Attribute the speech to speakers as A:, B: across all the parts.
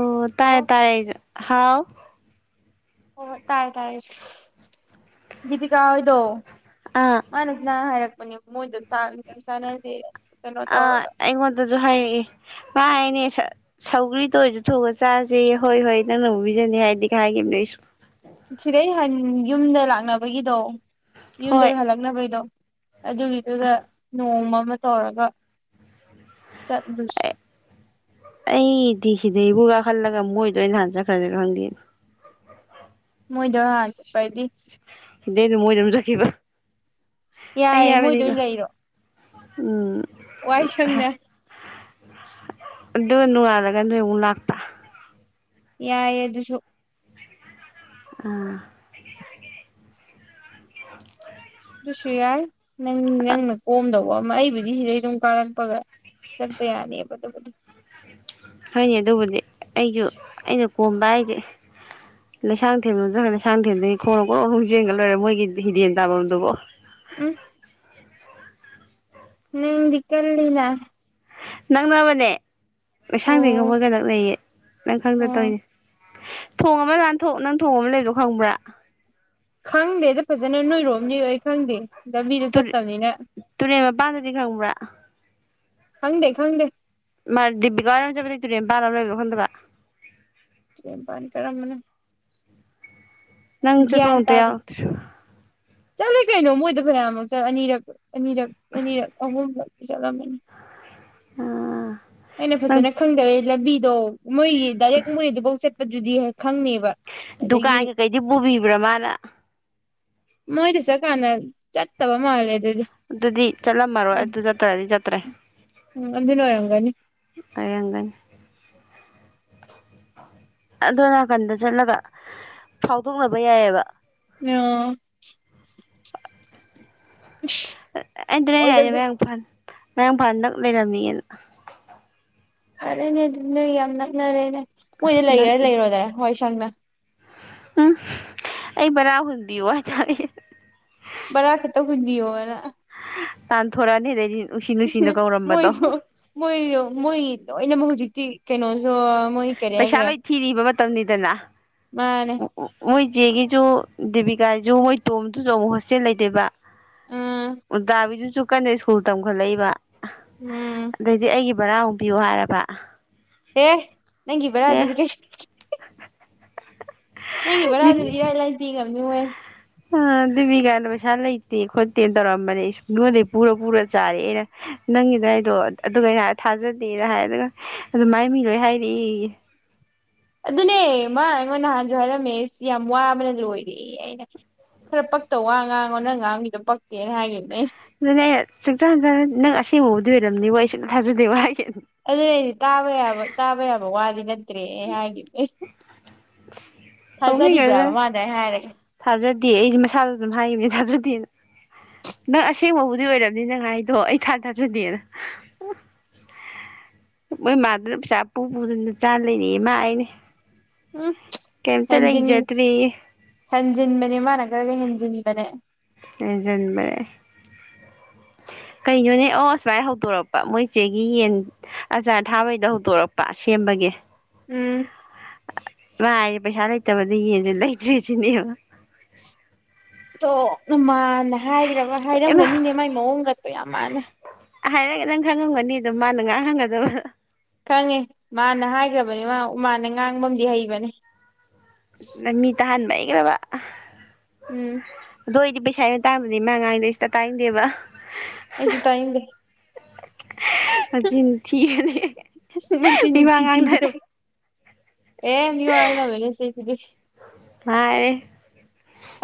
A: ꯑꯣ ꯇꯥꯔꯦ
B: ꯍꯜꯂꯣ
A: ꯇꯥꯔꯦ ꯍꯥꯎ
B: ꯑꯣ ꯇꯥꯥꯏ ꯇꯥꯔꯦ ꯗꯤꯄꯤꯀꯥ ꯍꯣꯏꯗꯣ
A: ꯑꯥ
B: ꯃꯥꯅꯁꯤꯅ ꯍꯥꯏꯔꯛꯄꯅꯦꯕ ꯃꯣꯏꯗꯨ
A: ꯑꯥ
B: ꯇꯧꯔꯒ
A: ꯑꯩꯉꯣꯟꯗꯁꯨ ꯍꯥꯏꯔꯛꯏ ꯃꯍꯥꯏꯅꯤ ꯁꯧꯒ꯭ꯔꯤꯗꯣ ꯑꯣꯏꯔꯁꯨ ꯊꯑꯒ ꯆꯥꯁꯦ ꯍꯣꯏ ꯍꯣꯏ ꯅꯪꯅꯕꯨꯨꯕꯤꯖꯅꯤ ꯍꯥꯏꯗꯤ ꯀꯩ ꯍꯥꯏꯈꯤꯕ ꯅꯣ ꯑꯩꯁꯨ
B: ꯁꯤꯗꯩ ꯍꯥꯟ ꯌꯨꯝꯗ ꯂꯥꯛꯅꯕꯒꯤꯗꯣ
A: ꯍꯣꯏ
B: ꯌꯨꯝꯗꯩ ꯍꯟꯂꯛꯅꯕꯣꯏꯗꯣ ꯑꯗꯨꯒꯤꯗꯨꯒ ꯅꯣꯡꯃ ꯑꯃ ꯇꯧꯔꯒ ꯆꯠꯂꯨꯁꯤ
A: ꯑꯩꯗꯤ ꯁꯤꯗꯩꯕꯨꯒꯥ ꯈꯜꯂꯒ ꯃꯣꯏꯗꯣ ꯑꯩꯅ ꯍꯥꯟꯅ ꯆꯠꯈ꯭ꯔꯅꯤ ꯈꯪꯗꯦ
B: ꯃꯣꯏꯗ ꯍꯥꯅ ꯆꯠꯄꯩꯗꯤ
A: ꯏꯗꯦ ꯑꯗꯨ ꯃꯣꯏꯗꯝ ꯆꯈꯤꯕ
B: ꯌꯥꯏ ꯃꯣꯏꯗꯑꯣꯏ ꯂꯩꯔꯣ
A: ꯎꯝ
B: ꯋꯥꯏ ꯁꯪꯅꯦ
A: ꯑꯗꯨ ꯅꯅꯨꯡꯗꯒ ꯅꯣꯏꯃꯨꯛ ꯂꯥꯛꯄ
B: ꯌꯥꯏꯌꯦ ꯑꯗꯨꯁꯨ
A: ꯑꯥ [unintelligible]
B: ꯑꯗꯨꯁꯨ ꯌꯥꯏ ꯅꯪ ꯅꯪꯅ ꯀꯣꯝꯗꯧꯕ ꯑꯃ ꯑꯩꯕꯨꯗꯤ ꯁꯤꯗꯩ ꯑꯗꯨꯝ ꯀꯥꯔꯛꯄꯒ ꯆꯠꯄ ꯌꯥꯅꯦꯕ ꯑꯗꯨꯕꯨꯗꯤ
A: ꯍꯥꯏꯅꯤ ꯑꯗꯨꯕꯨꯗꯤ ꯑꯩꯖꯨ ꯑꯩꯅ ꯀꯣꯝꯕ ꯍꯥꯏꯖꯤ ꯂꯩꯁꯥꯡꯊꯦꯝ ꯂꯣꯝ ꯆꯈ ꯂꯩꯁꯥꯡꯊꯦꯝꯗꯩ ꯈꯣꯡꯅ ꯒꯣꯔꯣꯡꯒꯔꯣꯡ ꯆꯦꯟꯒ ꯂꯣꯏꯔꯦ ꯃꯣꯏꯒꯤ ꯍꯤꯗꯦꯟ ꯇꯥꯕꯝꯗꯨꯕꯧ
B: ꯎꯝ ꯅꯪꯗꯤ ꯀꯜꯂꯤꯅ
A: ꯅꯪꯅ ꯃꯅꯦ ꯂꯩꯁꯥꯡꯗꯦꯝꯒ
B: ꯑꯣ
A: ꯃꯣꯏꯒ ꯅꯛꯅꯩꯌꯦ ꯅꯪ ꯈꯪꯗ
B: ꯑꯣ
A: ꯇꯧꯏꯅꯦ ꯊꯣꯡ ꯑꯃ ꯂꯥꯟꯊꯣꯛ ꯅꯪ ꯊꯣꯡ ꯑꯃ ꯂꯩꯕꯗꯣ ꯈꯪꯕ꯭ꯔꯥ
B: ꯈꯪꯗꯦꯗ ꯐꯖꯅ ꯅꯣꯏꯔꯣꯝꯅꯤ ꯑꯩ ꯈꯪꯗꯦ ꯂꯝꯕꯤꯗ ꯆꯠꯇꯝꯅꯤꯅ
A: ꯇꯨꯔꯦꯟ ꯃꯄꯥꯟꯗꯗꯤ ꯈꯪꯕ꯭ꯔꯥ
B: ꯈꯪꯗꯦ ꯈꯪꯗꯦ
A: ꯃꯥ ꯗꯤꯄꯤꯀꯥꯍꯣꯏ ꯔꯣꯝ ꯆꯠꯄꯗꯨꯏ ꯇꯨꯔꯦꯟ ꯃꯄꯥꯟ ꯑꯃ ꯂꯩꯕꯗꯣ ꯈꯪꯗꯕ
B: ꯇꯨꯔꯦꯟꯄꯥꯟ ꯆꯠꯂꯝꯃꯅꯤ
A: ꯅꯪ ꯆꯠꯄ ꯑꯝꯇꯥ
B: ꯇꯥꯗꯦ
A: ꯌꯥꯎꯔꯛꯇꯔꯤꯕꯥ
B: ꯆꯠꯂꯦ ꯀꯩꯅꯣ ꯃꯣꯏꯗ ꯐꯩꯅꯥꯝꯂꯛ ꯆꯠ ꯑꯅꯤꯔꯛ ꯑꯅꯤꯔꯛ ꯑꯅꯤꯔꯛ ꯑꯍꯨꯝꯂꯛ ꯆꯠꯂꯝꯃꯅꯤ
A: ꯑꯥ
B: ꯑꯩꯅ
A: ꯅꯪ
B: ꯐꯖꯅ ꯈꯪꯗꯕꯩ ꯂꯝꯕꯤ ꯗꯣ ꯃꯣꯏꯒꯤ ꯗꯥꯏꯔꯦꯛ ꯃꯣꯏꯑꯗꯨꯕꯧ ꯆꯠ ꯑꯗꯨꯗꯤ ꯍꯥꯏ
A: ꯗꯨꯀꯥꯟ ꯀꯩꯀꯩꯗꯤ ꯄꯨꯕꯤꯕ꯭ꯔꯥ ꯃꯥꯅ
B: ꯃꯣꯏꯗ ꯆꯠꯀꯥꯟꯗ ꯆꯠꯇꯕ ꯃꯥꯂꯦ
A: ꯑꯗꯨꯗꯤ ꯆꯠꯂꯝꯃꯔꯣꯏ ꯑꯗꯨ ꯆꯠꯇ꯭ꯔꯗꯤ ꯆꯠꯇ꯭ꯔꯦ
B: ꯎꯝ ꯑꯗꯨꯅ ꯑꯣꯏꯔꯝꯒꯅꯤ
A: ꯑꯣꯏꯔꯝꯒꯅꯤ ꯑꯗꯣꯟ ꯅꯥꯀꯟꯗ ꯆꯠꯂꯒ ꯐꯥꯎꯗꯣꯛꯅꯕ ꯌꯥꯏꯑꯕ
B: ꯑꯥ
A: [unintelligible]
B: ꯑꯣꯏꯗꯕꯗꯤ
A: ꯃꯌꯥꯡꯐꯥꯟ ꯃꯌꯥꯡꯐꯥꯟ ꯅꯛ ꯂꯩꯔꯝꯃꯤꯅ
B: ꯐꯔꯦꯅꯦ ꯑꯗꯨ ꯅꯣꯏ ꯌꯥꯝ ꯅꯛꯅꯔꯦꯅꯦ ꯃꯣꯏꯗ
A: ꯅꯛ
B: ꯂꯩꯒꯦꯔꯥ ꯂꯩꯔꯣꯗꯅ ꯋꯥꯏ ꯁꯪ ꯁꯪꯅ
A: ꯎꯝ ꯑꯩ ꯕꯔꯥ ꯍꯨꯟꯕꯤꯌꯨ ꯍꯥꯏꯇꯔꯦꯅꯦ
B: ꯕꯔꯥ ꯈꯤꯇ ꯍꯨꯟꯕꯤꯌꯨꯅ
A: ꯇꯥꯟ ꯊꯣꯔꯥꯅꯤ ꯑꯗꯩꯗꯤ ꯅꯨꯡꯁꯤ
B: ꯎ
A: ꯅꯨꯡꯁꯤꯅ ꯀꯧꯔꯝꯕꯗꯣ
B: ꯃꯣꯏꯁꯨ ꯃꯣꯏꯁꯨ ꯃꯣꯏ ꯂꯣꯏꯅꯃꯛ ꯍꯧꯖꯤꯛꯇꯤ ꯀꯩꯅꯣ ꯃꯣꯏ ꯀꯦꯔ ꯍꯥꯏꯒ꯭ꯔꯦ
A: ꯇꯧꯅꯤꯗꯅ
B: ꯃꯥꯅꯦꯅꯦ
A: ꯏꯆꯦꯒꯤꯁꯨ ꯗꯦꯕꯤꯀꯥꯁꯨ ꯃꯣꯏ ꯇꯣꯝꯕꯗꯨꯁꯨ ꯑꯃꯨꯛ ꯍꯣꯁꯇꯦꯜ ꯂꯩꯇꯦꯕ
B: ꯎꯝ
A: ꯎꯗꯥꯕꯤꯗꯨꯁꯨ ꯀꯟꯅ ꯁ꯭ꯀꯨꯜ ꯇꯝꯈꯠꯂꯛꯏꯕ
B: ꯎꯝ
A: ꯑꯗꯗꯤ ꯑꯩꯒꯤ ꯕꯔꯥ ꯍꯡꯕꯤꯌꯨ ꯍꯥꯏꯔꯕ
B: ꯍꯦ ꯅꯪꯤꯕ꯭ꯔꯥꯖ
A: ꯑꯦ
B: ꯀ ꯅꯪꯕ ꯑꯗꯨꯂꯥꯏꯒ ꯅꯤꯉꯦ
A: ꯑ ꯑꯗꯨꯕꯤꯒꯥꯏꯅ ꯄꯩꯁꯥ ꯂꯩꯇꯦ ꯈꯣꯠꯇꯦꯅ ꯇꯧꯔꯝꯕꯅꯦ ꯅꯉꯣꯟꯗꯒꯤꯩ ꯄꯨꯔ ꯄꯨꯔ ꯆꯥꯔꯦꯑꯦ ꯑꯩꯅ ꯅꯪꯒꯤꯗ ꯑꯩꯗꯣ ꯑꯗꯨꯒ ꯑꯩꯅ ꯊꯥꯖꯗꯦꯅ ꯍꯥꯏ ꯑꯗꯨꯒ ꯑꯗꯨ ꯃꯥꯏ ꯃꯤ ꯂꯣꯏ ꯍꯥꯏꯔꯛꯏ
B: ꯑꯗꯨꯅꯦꯃ ꯑꯩꯉꯣꯟ ꯅꯍꯥꯟꯁꯨ ꯍꯥꯏꯔꯝꯃꯦ ꯁꯤ ꯌꯥꯝ ꯋꯥꯕꯅ ꯂꯣꯏꯔꯦ ꯑꯩꯅ ꯈꯔ ꯄꯛꯇ ꯋꯥ ꯉꯥꯡꯉꯣ ꯅꯪ ꯉꯥꯡꯈꯤꯗꯣ ꯄꯛꯛꯇꯦꯅ ꯍꯥꯏꯈꯤꯕꯅꯦ
A: ꯑꯗꯨꯅꯦ ꯁꯨꯡꯆꯥꯟ ꯍꯟ ꯅꯪ ꯑꯁꯦꯡꯕꯕꯨꯗꯤ ꯑꯣꯏꯔꯕꯝꯅꯤ ꯋꯥ ꯑꯩ ꯁꯁꯨꯨꯝ ꯊꯥꯖꯗꯦ ꯋꯥ
B: ꯑꯗꯨꯅ ꯑꯩꯗꯤ ꯇꯥꯕ ꯌꯥꯕ ꯇꯥꯕ ꯌꯥꯕ ꯋꯥꯗꯤ ꯅꯠꯇ꯭ꯔꯦ ꯍꯥꯏꯒꯤ
A: ꯂꯧꯅꯤꯡꯈ꯭ꯔꯁꯦ
B: ꯃꯥ ꯑꯗꯥꯏ ꯍꯥꯏꯔꯒ
A: ꯊꯥꯖꯗꯦ ꯑꯩꯁꯨ ꯃꯁꯥꯗ ꯑꯗꯨꯝ ꯍꯥꯏꯕꯅꯤ ꯊꯥꯖꯗꯦꯅ ꯅꯪ ꯑꯁꯦꯡꯕꯕꯨꯗꯤ ꯑꯣꯏꯔꯕꯅꯤ ꯅꯪ ꯍꯥꯏꯥꯏꯗꯣ ꯑꯩ ꯊꯥ ꯊꯥꯖꯗꯦꯅ ꯃꯣꯏ ꯃꯥꯗꯨꯅ ꯄꯩꯁꯥ ꯄꯨ ꯄꯨꯗꯅ ꯆꯥ ꯂꯩꯅꯤ ꯃꯥ ꯍꯥꯏꯅꯦ
B: ꯎꯝ ꯍꯦꯟꯖꯤꯟ ꯍꯦꯟꯖꯤꯟꯕꯅꯦ ꯃꯥꯅ ꯈꯔꯒ ꯍꯦꯟꯖꯤꯟꯕꯅꯦ
A: ꯂꯩꯖꯟꯕꯅꯦ ꯀꯩꯅꯣꯅꯦ ꯑꯣ ꯁꯁꯃꯥꯏ ꯍꯧꯗꯣꯔꯛꯄ ꯃꯣꯏ ꯏꯆꯦꯒꯤ ꯌꯦꯟ ꯑꯆꯥꯔ ꯊꯥꯕꯩꯗ ꯍꯧꯗꯣꯔꯛꯄ ꯁꯦꯝꯕꯒꯤꯦ
B: ꯎꯝ
A: ꯀꯥꯏ ꯄꯩꯁꯥ ꯂꯩꯇꯕꯗ ꯌꯦꯟꯁꯦ ꯂꯩꯇ꯭ꯔꯤ ꯁꯤꯅꯦꯕ
B: ꯇꯣ ꯅꯃ ꯍꯥꯟꯅ ꯍꯥꯏꯈ꯭ꯔꯕ
A: ꯏꯃꯥ
B: ꯍꯥꯏꯔꯝꯒꯅꯤꯅꯦ ꯃꯥꯏ ꯃꯑꯣꯡꯗꯛꯇ ꯌꯥꯝ ꯃꯥꯟꯅ
A: ꯍꯥꯏꯔꯒ ꯅꯪ ꯈꯪꯉꯝꯒꯅꯤꯗ ꯃꯥꯅ ꯉꯍꯥꯛ ꯍꯪꯒꯗꯕ
B: ꯈꯪꯉꯦ ꯃꯥꯅ ꯍꯥꯏꯈ꯭ꯔꯕꯅꯤ ꯃꯥ ꯎꯃꯥꯅ ꯉꯥꯡꯕꯗꯤ ꯍꯩꯕꯅꯤ
A: ꯃꯤ ꯇꯍꯥꯟꯕ ꯃꯥꯏ ꯏꯔꯕ
B: ꯎꯝ
A: ꯑꯗꯣ ꯑꯩꯗꯤ ꯄꯩꯁꯥ ꯑꯃ ꯃꯇꯥꯡꯕꯅꯤ ꯃꯥ ꯉꯥꯡꯗꯣꯏ ꯁꯤꯗ ꯇꯥꯏꯅꯤꯡꯗꯦꯕ
B: ꯑꯦꯁꯨ ꯇꯏ ꯂꯩ
A: ꯃꯆꯤꯟ ꯊꯤꯕꯅꯦ
B: ꯃ ꯅꯤꯡꯆ
A: ꯃꯤꯋꯥ
B: ꯆꯤꯗꯗ
A: ꯉꯥꯡꯊꯔꯦ
B: ꯑꯦ ꯃꯤ ꯋꯥꯒꯅꯕꯅꯦꯁꯤꯗꯤ
A: ꯃꯥꯔꯦ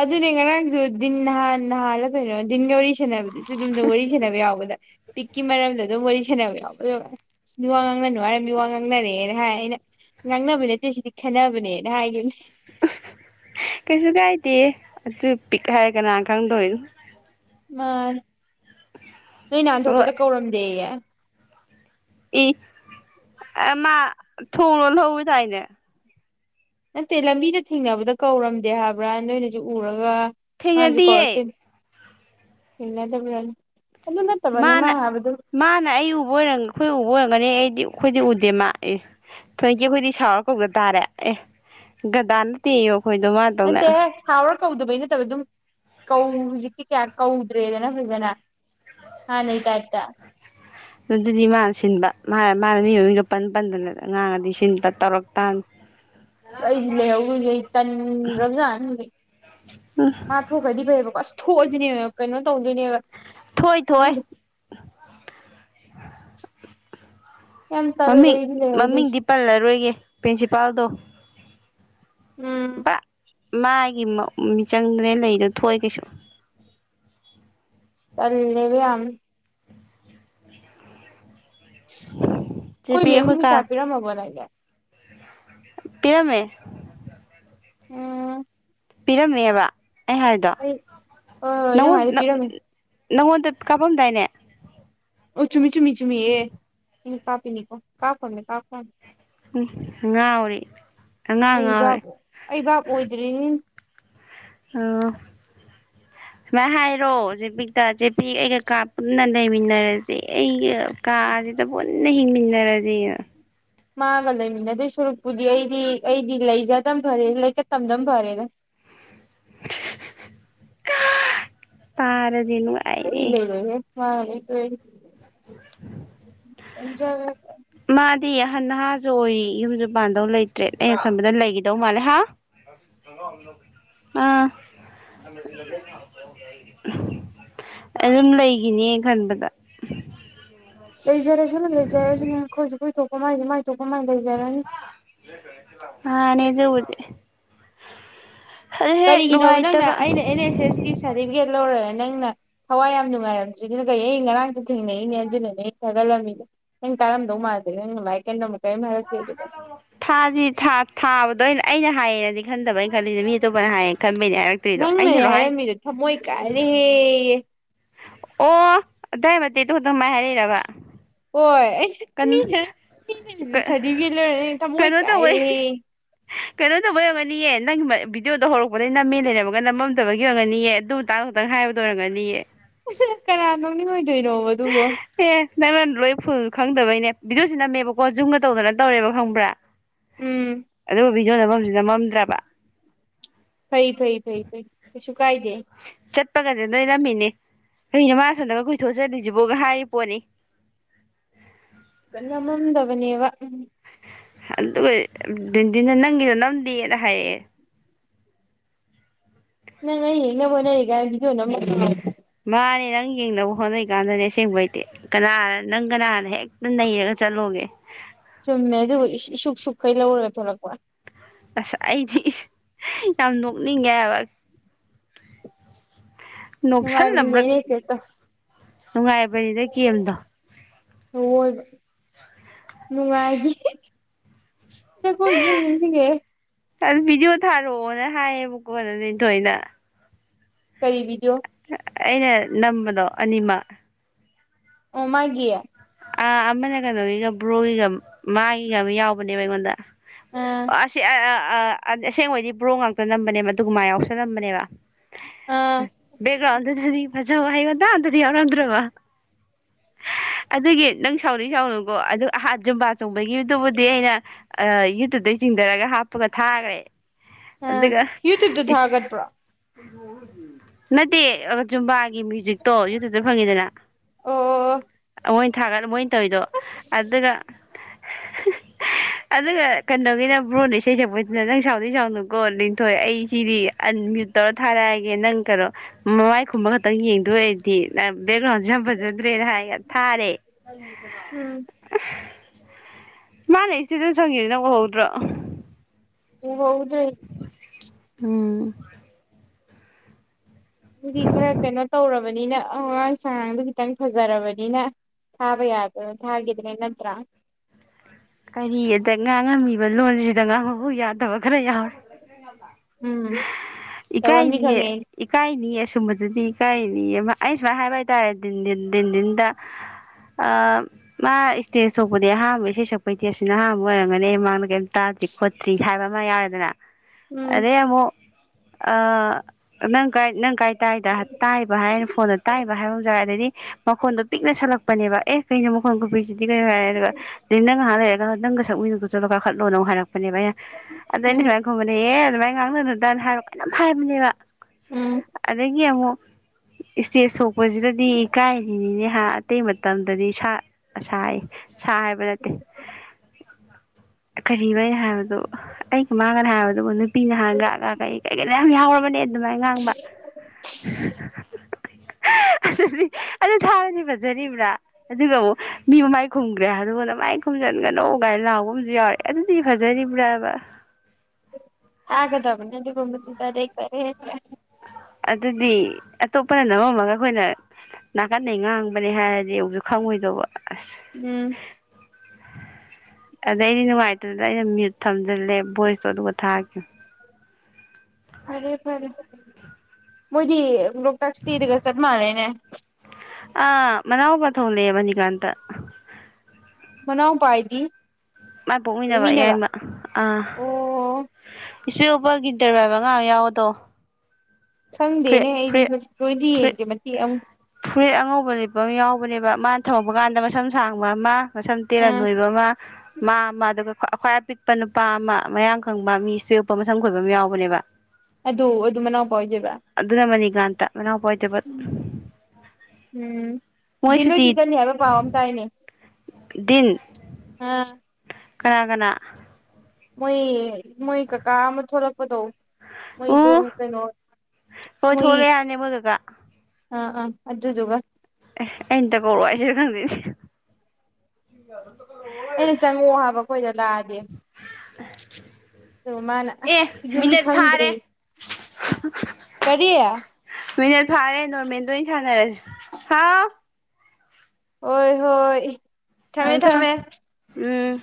B: ꯑꯗꯨꯅꯦ ꯉꯉꯥꯡꯁꯨꯟ ꯅꯍꯥꯟ ꯅ ꯍꯥꯥꯟꯂ ꯀꯩꯅꯣꯤꯟꯒꯧꯔꯤ ꯅꯕ ꯑꯗꯨꯝ ꯋꯥꯔꯤ ꯁꯥꯟꯅꯕ ꯌꯥꯎꯕꯗ ꯄꯤꯛꯀꯤ ꯃꯔꯝꯗ ꯑꯗꯨꯝ ꯋꯥꯔꯤ ꯁꯥꯟꯅꯕ ꯌꯥꯎꯕ ꯋꯥ ꯉꯥꯡꯅꯅꯨ ꯍꯥꯏꯔꯝ ꯃꯤ ꯋꯥ ꯉꯥꯡꯅꯔꯦꯅ ꯍꯥꯏ ꯑꯩꯅ ꯉꯥꯡꯅꯕ ꯅꯠꯇꯦ ꯁꯤꯗꯤ ꯈꯟꯅꯕꯅꯦꯅ ꯍꯥꯏꯈꯤꯕꯅꯦ
A: ꯀꯩꯁꯨ ꯀꯥꯏꯗꯦ ꯑꯗꯨ ꯄꯤꯛ ꯍꯥꯏꯔ ꯀꯅꯥ ꯈꯪꯗꯣꯅꯣ
B: ꯃꯥ ꯅꯣꯏ ꯅꯥꯍꯟꯊꯣꯛꯄꯗ
A: ꯍꯣꯏ
B: ꯀꯧꯔꯝꯗꯦꯌꯦ
A: ꯏ ꯃꯥ ꯊꯣꯡꯅ ꯍꯧꯕꯤ ꯇꯥꯏꯅꯦ
B: ꯅꯠꯇꯦ ꯂꯝꯕꯤꯗ ꯊꯤꯡꯅꯕꯗ ꯀꯧꯔꯝꯗꯦ ꯍꯥꯏꯕ꯭ꯔꯥ ꯅꯣꯏꯅꯁꯨ ꯎꯔꯒ
A: ꯊꯅꯗꯤꯌꯦꯦ
B: ꯁꯤꯟꯅꯗ ꯐꯅ
A: ꯃꯥꯅ ꯃꯥꯅ ꯑꯩ ꯎꯕꯔꯝ ꯑꯩꯈꯣꯏ ꯎꯕ ꯑꯣꯏꯔꯝꯒꯅꯤ ꯑꯩꯗꯤ ꯑꯩꯈꯣꯏꯗꯤ ꯎꯗꯦ ꯃꯥ ꯑꯦ ꯊꯣꯏꯀꯤ ꯑꯩꯈꯣꯏꯗꯤ ꯁꯥꯎꯔ ꯀꯧꯗ ꯇꯥꯔꯦ ꯑꯦ ꯒꯗꯥ ꯅꯠꯇꯦꯣ ꯍꯣꯏꯗꯧ ꯃꯥ ꯇꯧꯅꯦ
B: ꯅꯠꯇꯦꯍꯦ ꯁꯥꯎꯔ ꯀꯧꯗꯕꯩ ꯅꯠꯇꯕ ꯑꯗꯨꯝ ꯀꯧ ꯍꯧꯖꯤꯛꯇꯤ ꯀꯌꯥ ꯀꯧꯗ꯭ꯔꯦꯗꯅ ꯐꯖꯅ ꯍꯥꯟꯅꯩ ꯇꯥꯏꯞꯇ
A: ꯑꯗꯨ ꯑꯗꯨꯗꯤ ꯃꯥꯅ ꯁꯤꯟꯕ ꯃꯥ ꯃꯥꯅ ꯃꯤ ꯃ ꯃꯤꯒꯄꯟ ꯄꯟꯗꯅ ꯉꯥꯡꯉꯗꯤ ꯁꯤꯟ ꯇꯧꯔ ꯇꯅꯤ
B: ꯑꯁ ꯑꯩꯗꯤ ꯂꯩꯍꯧꯗꯁꯦ ꯑꯩ ꯇꯟꯗ꯭ꯔꯕꯖꯥ ꯍꯧꯖꯤꯛ ꯃꯥ ꯊꯣꯛꯈ꯭ꯔꯗꯤ ꯐꯩꯕꯀꯣ ꯑꯁ ꯈꯣꯖꯅꯦ ꯀꯩꯅꯣ ꯇ
A: ꯊꯣꯏ ꯊꯣꯏ
B: ꯅꯦꯪ
A: ꯃꯃꯤꯡ
B: ꯑꯩꯗꯤ ꯂꯩꯍꯧꯗꯣꯏꯁꯦ
A: ꯃꯃꯤꯡꯗꯤ ꯄꯜꯂꯔꯣꯏꯒꯦ ꯄ꯭ꯔꯤꯟꯁꯤꯄꯥꯜꯗꯣ
B: ꯎꯝ
A: ꯃꯥꯒꯤ ꯃꯤꯆꯪꯗꯅꯦ ꯂꯩꯗ ꯊꯣꯛꯑꯦ ꯀꯩꯁꯨ
B: ꯀꯂꯦꯕ ꯌꯥꯝꯌꯥꯝ
A: ꯆꯦ
B: ꯀꯣꯏ
A: ꯄꯤ
B: ꯃꯦꯝꯃꯒꯤ
A: ꯑꯩꯈꯣꯏ ꯀꯥ
B: ꯃꯤꯁꯥꯄꯤꯤꯔ ꯃꯕꯅ ꯂꯦ
A: ꯄꯤꯔꯃꯦ
B: ꯎꯝ
A: ꯄꯤꯔꯝꯃꯦꯕ ꯑꯦ ꯍꯥꯏꯗ
B: ꯑꯩ ꯍꯣꯏ ꯍꯣꯏ
A: ꯅ
B: ꯅꯪ ꯍꯥꯏꯗꯣ
A: ꯅ
B: ꯄꯤꯔꯝꯃꯦ
A: ꯅꯪꯉꯣꯟꯗ ꯀꯥꯞꯄꯝꯗꯥꯏꯅꯦ
B: ꯑꯣ ꯆꯨꯝꯃꯤ ꯆꯨꯝꯃꯤ ꯆꯨꯝꯃꯤ ꯀꯥꯄꯤꯅꯤꯀꯣ ꯀꯥꯄꯃꯦ ꯀꯥꯄꯃꯦ
A: ꯎ ꯉ ꯍꯧꯔꯤ
B: ꯑꯩ ꯕꯥꯞ ꯑꯩ ꯕꯥꯞ ꯑꯣꯏꯗ꯭ꯔꯤꯅꯤ
A: ꯃ ꯍꯥꯏꯔꯣ ꯦꯕꯤꯛꯇ ꯊ ꯑꯩ ꯀꯥꯄ ꯅ ꯂꯩꯃꯤꯟꯅꯔꯁꯦ ꯑꯩꯒ ꯀꯥꯁꯤꯗ ꯄꯨꯟꯅ ꯍꯤꯡꯃꯤꯟꯅꯔꯁꯦ
B: ꯃꯥꯒ ꯂꯩꯃꯤꯟꯅꯗꯣꯏ ꯁꯨꯔꯨꯛꯄꯨꯗꯤ ꯑꯩꯗꯤ ꯑꯩꯗꯤ ꯂꯩꯖꯗꯕ ꯐꯔꯦ ꯂꯩꯀ ꯇꯝꯗꯝ ꯐꯔꯦꯗ
A: ꯇꯔ ꯨ ꯑꯏꯅꯦ
B: ꯍ ꯑꯖ
A: ꯗꯤ ꯑꯍꯟ ꯅꯍꯥꯁꯨ ꯑꯣꯏꯔꯤ ꯌꯨꯝꯁꯨ ꯄꯥꯟꯗꯧ ꯂꯩꯇ꯭ꯔꯦ ꯑꯩꯅ ꯈꯟꯕꯗ ꯂꯩꯈꯤꯗꯧ ꯃꯥꯜꯂꯦ ꯍꯥ ꯑꯥ ꯑꯗꯨꯝ ꯂꯩꯒꯤꯅꯦ ꯈꯟꯕꯗ
B: ꯂꯩꯖꯔꯁꯅꯨ ꯂꯩꯖꯔꯁꯅꯨ ꯈꫭꯏꯁꯨ ꯈꫭꯏ ꯊꫭꯛꯄ ꯃꯥꯏꯁꯨ ꯃꯥꯥꯏ ꯊꫭꯛꯄ ꯃꯥꯏ ꯂꯩꯖꯔꯅꯤ
A: ꯃꯥꯅꯦ ꯑꯗꯨꯕꯨꯗꯤ ꯑꯗꯨ ꯍꯦꯛ
B: ꯀꯔꯤꯒꯤꯅꯣꯕ ꯅꯪꯅ
A: ꯅꯨꯡꯉꯥꯏꯇꯕ
B: ꯑꯩꯅ ꯑꯦꯟ ꯑꯦꯁ ꯑꯦꯁꯀꯤ ꯁꯥꫪꯇꯤꯐꯤꯀꯦꯠ ꯂꯧꯔꯛꯑꯦ ꯂꯪꯅ ꯊꯋꯥꯏ ꯌꯥꯝ ꯅꯨꯡꯉꯥꯏꯔꯝ ꯁꯤꯅ ꯀꯩ ꯑꯩ ꯉꯔꯥꯡꯁꯨ ꯊꯦꯡꯅꯩꯅꯦ ꯑꯗꯨꯅꯅꯦ ꯊꯥꯒꯠꯂꯝꯃꯤꯗꫭ ꯅꯪ ꯇꯥꯔꯝꯗꯧ ꯃꯥꯟꯗꯦ ꯑꯩꯅ
A: ꯊꯥꯖꯤ ꯊꯥ ꯊꯥꯕꯗ ꯑꯩꯅ ꯑꯩꯅ ꯍꯥꯏꯌꯦꯅꯗꯤ ꯈꯟꯗꯕ ꯑꯩ‌ ꯈꯜꯂꯤꯁꯦ ꯃꯤ ꯑꯇꯣꯞꯄꯅ ꯍꯥꯏꯌꯦꯅ
B: ꯅꯪꯅꯅꯦ ꯍꯥꯏꯔꯝꯃꯤꯗꯣ ꯊꯃꯣꯏ ꯀꯥꯏꯔꯦꯍꯦꯌꯦ
A: ꯑꯣ ꯑꯗꯥꯏ ꯃꯇꯦꯛꯗꯨꯈꯇ ꯑꯗꯨꯃꯥꯏ ꯍꯥꯏꯔꯩꯔꯕ
B: ꯍꯣꯏ ꯑꯁ ꯃꯤꯅ ꯃꯤꯅ ꯁꯤꯗ
A: ꯀ
B: ꯁꫪꯗꯤꯐꯤꯀꯦꯠ ꯂꯧꯔ ꯑꯩꯅ ꯊꯃꯣꯏ
A: ꯀꯩꯅꯣ ꯇꯧꯕꯩ
B: ꯀꯥꯏꯔꯦꯍꯦ
A: ꯀꯩꯅꯣ ꯇꯧꯕꯩ ꯑꯣꯏꯒꯅꯤꯑ ꯅꯪꯒꯤ ꯚꯤꯗꯤꯑꯣꯗꯣ ꯍꯧꯔꯛꯄꯗꯒꯩ ꯅꯝꯃꯦꯅ ꯂꯩꯔꯝꯃꯒ ꯅꯝꯃꯝꯗꯕꯒꯤ ꯑꯣꯏꯡꯒꯅꯤꯌꯦ ꯑꯗꯨ ꯃꯇꯥꯡ ꯈꯛꯇꯪ ꯍꯥꯏꯕꯗ ꯑꯣꯏꯔꯝꯒꯅꯤꯌꯦ
B: ꯀꯅꯥ ꯅꯣꯡꯅꯤꯉꫭꯏ ꯀꯩꯅꫭꯕ ꯑꯗꯨꯕꫭ
A: ꯅꯪꯉꯣꯟꯗ ꯂꯣꯏ ꯐꯨꯜ ꯈꯪꯗꯕꯩꯅꯦ ꯚꯤꯗꯤꯑꯣꯁꯤ ꯅꯝꯃꯦꯕꯀꯣ ꯖꯨꯝꯒ ꯇꯧꯗꯅ ꯇꯧꯔꯦꯕ ꯈꯪꯕ꯭ꯔꯥ
B: ꯎꯝ
A: ꯑꯗꯨ ꯚꯤꯗꯤꯌꫭ ꯅꯝꯕꯝꯁꯤ ꯅꯝꯃꯝꯗ꯭ꯔꯕ
B: ꯐꯩ ꯐꯩ ꯐꯩ ꯐꯩꯀꯩꯁꯨ ꯀꯥꯏꯗꯦ
A: ꯆꯠꯄꯒꯁꯦ ꯅꫭꯏꯅꯝꯃꯤꯅꯤ ꯀꯩꯅꫭ ꯃꯥ ꯑꯁꯣꯗꯒ ꯀꯣꯏꯊꯣꯛꯑꯒ ꯆꯠꯁꯤꯕꫭꯒ ꯍꯥꯏꯔꯤ ꯄꯣꯠꯅꯤ
B: ꯅꯝꯃꯝꯗꯕꯅꯦꯕ
A: ꯑꯗꯨꯒ ꯗꯤꯟ ꯗꯤꯟꯅ ꯅꯪꯒꯤꯗꫭ ꯅꯝꯗꯦꯅ ꯍꯥꯏꯔꯛꯑꯦ
B: ꯅꯪ ꯑꯩ ꯌꯦꯡꯅꯕ ꯍꯣꯠꯅꯔꯤꯀꯥꯟ ꯚꯤꯗꯤꯌꯣ [unintelligible]
A: ꯃꯥꯅꯦ ꯅꯪ ꯌꯦꯡꯅꯕ ꯍꯣꯠꯅꯩ ꯀꯥꯟꯗꯅꯦ ꯑꯁꯦꯡꯕꯩꯗꯤ ꯀꯅꯥ ꯅꯪ ꯀꯅꯥꯥꯟꯅ ꯍꯦꯛꯇ ꯅꯩꯔꯒ ꯆꯠꯂꯣꯒꯦ
B: ꯆꯨꯝꯃꯦ ꯑꯗꯨꯒ ꯏꯁꯨꯛ ꯁꯨꯛꯈꯩ ꯂꯧꯔꯒ ꯊꯣꯛꯂꯛꯄ
A: ꯑꯁ ꯑꯩꯗꯤ ꯌꯥꯝ ꯅꯣꯛꯅꯤꯡꯉꯦꯍꯥꯏꯕ
B: ꯅꯨꯡꯉꯥꯏꯕꯅꯤꯅꯦ
A: ꯅꯣꯛꯁꯜꯂꯝꯕ꯭ꯔ
B: ꯑꯦꯟ ꯑꯦꯁ ꯑꯦꯁꯇꯣ
A: ꯅꯨꯡꯉꯥꯏꯕꯅꯤꯗ ꯀꯦꯝꯗꯣ
B: ꯑꯋꫭꯏꯕ ꯅꯨꯡꯉꯥꯏꯒꯤ [inaudible] ꯊꯛꯄꯩꯗꯨꯖꯨꯃꯨꯛꯅꯤꯡꯁꯤꯡꯉꯛꯑꯦ
A: ꯑꯗꯨ ꯚꯤꯗꯤꯑꯣ ꯊꯥꯔꯛꯑꯣꯅ ꯍꯥꯏꯌꯦꯕꯀꯣ ꯂꯤꯟꯊꫭꯏꯅ
B: ꯀꯔꯤ ꯚꯤꯗꯤꯌꫭ
A: ꯑꯩꯅ ꯅꯝꯕꯗꯣ ꯑꯅꯤꯃꯛ
B: ꯑꯣ ꯃꯥꯒꯤ
A: ꯑꯥ ꯑꯃꯅ ꯀꯩꯅꯣꯒꯤꯒ ꯕ꯭ꯔꯣꯒꯤꯒ ꯃꯥꯒꯤꯒ ꯑꯃ ꯌꯥꯎꯕꯅꯦꯕ ꯑꯩꯉꯣꯟꯗ
B: ꯑꯥ
A: ꯑꯣ ꯑꯁꯤꯁꯤ ꯑ ꯑ ꯑꯁꯦꯡꯕꯩꯗꯤ ꯕꯣꯔꯣꯛ ꯉꯥꯛꯇ ꯅꯝꯕꯅꯦꯕ ꯑꯗꯨꯒꯨꯝ ꯃꯥ ꯌꯥꯎꯁ ꯅꯝꯕꯅꯦꯕ
B: ꯑꯥ
A: ꯦꯒ꯭ꯔꯥꯎꯗꯗꯗꯤ ꯑꯖ ꯍꯥꯏꯩꯒꯗ ꯑꯗꯗꯤ ꯌꯥꯎꯔꯝꯗ꯭ꯔꯣꯕ ꯑꯗꯨꯒꯤ ꯅꯪ ꯁꯥꯎꯅꯤ ꯁꯥꯎꯅꯨꯀꯣ ꯑꯗꯨ ꯑꯍꯠ ꯌꯖꯨꯝꯕꯥ ꯆꯣꯡꯕꯒꯤꯗꯨꯕꯨꯗꯤ ꯑꯩꯅ ꯌꯨꯇꯨꯕꯇꯩ ꯆꯤꯡꯊꯔꯒ ꯍꯥꯞꯄꯒ ꯊꯥꯈ꯭ꯔꯦ
B: ꯑ
A: ꯑꯗꯨꯒ
B: ꯌꯨꯇꯨꯕ ꯇ
A: ꯏꯁ
B: ꯊꯥꯒꯠꯄ꯭ꯔꯥ
A: ꯅꯠꯇꯦ ꯆꯨꯝꯕꯥ ꯃ꯭ꯌꯨꯖꯤꯛꯇꯣ ꯌꯨꯇ꯭ꯨꯕꯇ ꯐꯪꯉꯤꯗꯅ
B: ꯑꯣ
A: ꯃꯣꯏ ꯊꯥꯒꯠꯂ ꯃꯣꯏꯅ ꯇꯧꯋꯗꯣ
B: ꯑꯁ
A: ꯑꯗꯨꯒ ꯑꯗꯨꯒ ꯀꯩꯅꯣꯒꯤꯅ ꯕ꯭ꯔꯣꯅ ꯏꯁꯩ ꯁꯛꯄꯩꯁꯤꯅ ꯅꯪ ꯁꯥꯎꯗꯤ ꯁꯥꯎꯅꯨꯀꯣ ꯅꯤꯡꯊꯣꯏ ꯑꯩ ꯁꯤꯗꯤ ꯑꯟꯃ꯭ꯌꯨꯠ ꯇꯧꯔ ꯊꯥꯔꯛꯑꯒꯦ ꯅꯪ ꯀꯩꯅꯣ ꯃꯃꯥꯏ ꯈꯨꯝꯕ ꯈꯛꯇꯪ ꯌꯦꯡ ꯑꯗꯨ ꯑꯣꯏ ꯑꯩꯗꯤ ꯕꯦꯛꯒ꯭ꯔꯥꯎꯟꯁꯁꯨ ꯌꯥꯝ ꯐꯖꯗ꯭ꯔꯦꯅ ꯍꯥꯏꯒꯦ ꯇꯔꯦ
B: ꯎꯝ
A: ꯃꯥꯅꯦ ꯏꯦꯗ ꯁꯪꯉꯤꯕ ꯅꯪ ꯎꯍꯧꯗ꯭ꯔꯣ
B: ꯎ ꯍꯗ
A: ꯎꯝ
B: ꯑꯗꯨꯗꯤ ꯈꯔ ꯀꯩꯅꯣ ꯇꯧꯔꯕꯅꯤꯅ ꯑꯉꯥꯡ ꯁꯉꯥꯡꯗꯣ ꯈꯤꯇꯪ ꯐꯖꯔꯕꯅꯤꯅ ꯊꯥꯕ ꯌꯥꯗꯅ ꯊꯥꯈꯤꯗꯅ ꯅꯠꯇ꯭ꯔꯥ
A: ꯀꯔꯤ ꯑꯗ ꯉꯥꯡꯉꯝꯃꯤꯕ ꯂꯣꯟꯁꯤꯗ ꯉꯥꯡꯉꯕꯨ ꯌꯥꯗ ꯌꯥ
B: ꯎꯝ
A: ꯏꯀꯥꯏ
B: ꯇꯧꯔꯝꯅꯤ ꯈꯪꯉꯦ
A: ꯏꯀꯥꯏꯅꯤ ꯁꯨꯝꯕꯗꯗꯤ ꯀꯩꯅꯤ ꯑꯩ ꯁꯨꯃꯥꯏꯅ ꯍꯥꯏꯕ ꯍꯥꯏꯇꯥꯔꯦ ꯟꯗꯤꯟꯗ ꯃꯥ ꯏꯁꯇꯦꯖ ꯊꯣꯛꯄꯗꯤ ꯑꯍꯥꯟꯕ ꯏꯁꯩ ꯁꯛꯄ ꯀꯣꯏꯇꯦꯁꯤ ꯅꯍꯥꯕ ꯑꯣꯏꯔꯝꯒꯅꯤ ꯃꯥꯡꯗ ꯀꯔꯤꯝ ꯇꯥꯗ꯭ꯔꯤ ꯈꯣꯠꯇ꯭ꯔꯤ ꯍꯥꯏꯕ ꯑꯃ ꯌꯥꯎꯔꯦꯗꯅ
B: ꯎꯝ
A: ꯑꯦꯃꯣ ꯑ ꯅꯪ ꯒꯥꯏꯗ ꯅꯪ ꯒꯥꯏ ꯇꯥꯏꯗ ꯇꯥꯏꯕ ꯍꯥꯏꯅ ꯐꯣꯟꯗ ꯇꯥꯏꯕ ꯍꯥꯏꯕ ꯌꯥꯦ ꯑꯗꯗꯤ ꯃꯈꯣꯟꯗꯣ ꯄꯤꯛꯅ ꯁꯜꯂꯛꯄꯅꯦꯕ ꯑꯦ ꯀꯩꯅꯣ ꯃꯈꯣꯟ ꯀꯄꯤꯛꯁꯤꯗꯤ ꯀꯩ ꯍꯥꯏꯔꯦ ꯑꯗꯨꯒ ꯉꯥꯏꯍꯥꯡ ꯂꯩꯔꯒ ꯅꯪꯒ ꯁꯛ ꯃꯤꯒ ꯆꯠꯂꯣ ꯀꯥꯈꯠꯂꯣꯅ ꯍꯥꯏꯔꯛꯄꯅꯦꯕ ꯑ ꯑꯗ ꯑꯩꯅ
B: ꯎꯝ
A: ꯁꯨꯃꯥꯏꯅ ꯈꯨꯝꯕꯗ ꯑꯦ ꯑꯗꯨꯃꯥꯏꯅ ꯉꯥꯡꯅꯗꯨꯗꯅ ꯍꯥꯏꯔꯣ ꯀ ꯑꯗꯨꯝ ꯍꯥꯏꯕꯅꯦꯕ
B: ꯎꯝ
A: ꯑꯗꯒꯤ ꯑꯃꯨꯛ ꯏꯁꯇꯦꯖ ꯁꯣꯛꯄꯁꯤꯗꯗꯤ ꯏꯀꯥꯏꯔꯤꯅꯤꯅꯦ ꯑꯇꯩ ꯃꯇꯝꯗꯗꯤ ꯁꯥ ꯁꯥꯏ ꯁꯥ ꯍꯥꯏꯕꯗ
B: [unintelligible]
A: ꯀꯔꯤ ꯋꯥꯩ ꯍꯥꯏꯕꯗꯣ ꯑꯩ ꯃꯃꯥꯒꯅ ꯍꯥꯏꯕꯗꯨꯕꯨ ꯅꯨꯄꯤꯅ ꯍꯥꯟꯒꯒ ꯀꯩ ꯀꯩꯀꯩ ꯌꯥꯝ ꯌꯥꯎꯔꯕꯅꯦ ꯑꯗꯨꯃꯥꯏꯅ ꯉꯥꯡꯕ ꯑꯗꯨ ꯊꯥꯔꯗꯤ ꯐꯖꯔꯤꯕ꯭ꯔꯥ ꯑꯗꯨꯒ ꯑꯃꯨꯛ ꯃꯤ ꯃꯃꯥꯏ ꯈꯨꯝꯈ꯭ꯔꯦ ꯑꯗꯨ ꯀꯃꯥꯏ ꯈꯨꯝꯖꯤꯟꯒꯅꯧ ꯀꯥꯏꯅ ꯂꯥꯛꯕ ꯑꯃꯁꯨ ꯌꯥꯎꯔꯛꯑꯦ ꯑꯗꯨꯗꯤ ꯐꯖꯔꯤꯕ꯭ꯔꯥꯕ
B: ꯍꯥꯏꯗꯕ ꯅꯅꯤꯒꯗꯤꯇꯥꯔꯇꯥꯔꯦ
A: ꯑꯗꯨꯗꯤ ꯑꯇꯣꯞꯄꯅ ꯅꯝꯃꯝꯃꯒ ꯑꯩꯈꯣꯏꯅ ꯅꯥꯀꯟꯗꯩ ꯉꯥꯡꯕꯅꯦ ꯍꯥꯏꯔꯗꯤ ꯑꯃꯨꯛꯁꯨ ꯈꯪꯉꯣꯏꯗꯧꯕ ꯑꯁ
B: ꯎꯝ
A: ꯑꯗ ꯑꯩꯗꯤ ꯅꯨꯡꯉꯥꯏꯇꯗ ꯑꯩꯅ ꯃꯤꯨꯠ ꯊꯝꯖꯤꯜꯂꯦ ꯚꯣꯏꯁꯇꯣ ꯑꯗꯨꯒ ꯊꯥꯒꯦ
B: ꯐꯔꯦ ꯐꯔꯦ ꯃꯗꯤ ꯂ ꯇ ꯊꯤꯔꯒꯁꯠ ꯃꯥꯅꯦꯅꯦ
A: ꯊꯧ ꯂꯩꯦꯕꯅꯤꯀꯥꯟꯇ
B: ꯃꯅꯥꯎ ꯄꯥꯏꯗꯤ
A: ꯃꯥꯏ ꯄꯣꯛꯃꯤꯟꯅꯕ ꯏꯌꯥꯏꯃ ꯑꯥ
B: ꯑꯣ
A: ꯏꯁꯄꯦ ꯎꯣꯛꯄꯒꯤ ꯗꯔꯕꯥꯏꯕ ꯉꯥ ꯌꯥꯎꯗꯣ
B: ꯈꯪꯗꯦꯅꯦ ꯑꯩꯗꯤ ꯂꯣꯏꯗꯤ
A: ꯐꯨꯔꯤꯠ
B: ꯌꯦꯡꯒꯦ ꯃꯇꯦꯛ ꯑꯃꯨꯛ
A: ꯇꯧꯕꯅꯦꯕ ꯃꯥꯅ ꯊꯄ ꯀꯥꯟꯗ ꯃꯁꯝ ꯁꯥꯡꯕ ꯑꯃ ꯃꯁꯝ ꯇꯦꯔ
B: ꯑꯥ
A: ꯅꯣꯏꯕ ꯑꯃ ꯃꯥ ꯑꯃ ꯑꯗꯨꯒ ꯑꯩ꯭ꯋꯥꯏ ꯑꯄꯤꯛꯄ ꯅꯨꯄꯥ ꯑꯃ ꯃꯌꯥꯡ ꯈꯪꯕ ꯃꯤ ꯁꯣꯛꯄ ꯃꯁꯪ ꯈꯣꯏꯕ ꯑꯃ ꯌꯥꯎꯕꯅꯦꯕ
B: ꯑꯗꯨ ꯑꯗꯨ ꯃꯅ
A: ꯑꯗꯨ ꯅ ꯃꯅꯤꯒ
B: ꯎꯝ ꯎꯝ
A: ꯃꯣꯏ
B: ꯗꯤ ꯅꯣꯏ ꯁꯤꯇꯅꯤ ꯍꯥꯏꯕ ꯄꯥꯎ ꯑ ꯇꯔꯤꯅꯦ
A: ꯗꯟ
B: ꯎ
A: ꯀꯅꯥ ꯀꯅꯥ
B: ꯃꯣꯏ ꯃꯣꯏ ꯀꯀꯥ ꯑꯃ ꯊꯣꯛꯂꯛꯄꯗꯣ ꯃꯣꯏ ꯗ
A: ꯎ
B: ꯀꯩꯅꯣ ꯃꯣꯏ
A: ꯎ
B: ꯑꯥ ꯑꯥ ꯑꯗꯨꯖꯗꯨꯒ
A: ꯑꯦ ꯑꯩꯅꯇ ꯀꯧꯔꯛꯑꯣ ꯍꯥꯏꯁꯤꯦ ꯈꯪꯗꯦꯅꯦꯦ ꯏ ꯁ
B: ꯑꯩꯅ ꯆꯪꯉꯛꯑꯣ ꯍꯥꯏꯕꯈꯣꯏꯗ ꯂꯥꯛꯑꯗꯤ
A: [unintelligible]
B: ꯑ ꯃꯥꯅ
A: ꯑꯦ
B: ꯌꯨꯝ
A: ꯃꯤꯅꯠ ꯐꯥꯔꯦ
B: ꯈꯪꯗ꯭ꯔꯤ ꯀꯔꯤ
A: ꯃꯤꯅꯠ ꯐꯥꯔꯦ ꯅꯣꯔꯃꯦꯜꯗ ꯑꯣꯏꯅ ꯁꯥꯟꯅꯔꯁꯤꯥꯎ
B: ꯍꯣꯏ ꯍꯣꯏ ꯊꯝꯃꯦ
A: ꯊꯥꯎ ꯊꯥꯎ
B: ꯊꯝꯃꯦ
A: ꯎꯝ